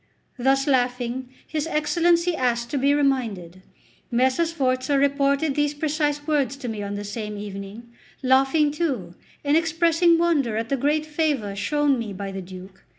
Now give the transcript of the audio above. Thus laughing, his Excellency asked to be reminded. Messer Sforza reported these precise words to me on the same evening, laughing too and expressing wonder at the great favour shown me by the Duke.